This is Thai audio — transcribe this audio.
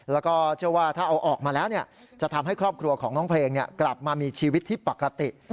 แล้วก็เชื่อว่าถ้าเอาออกมาแล้วจะทำให้ครอบครัวของน้องเพลงกลับมามีชีวิตที่ปกติ